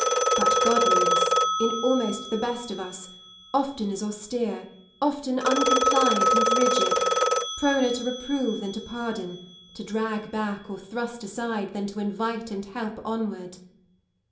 But godliness, in almost the best of us, often is austere, often uncompliant and rigid — proner to reprove than to pardon, to drag back or thrust aside than to invite and help onward.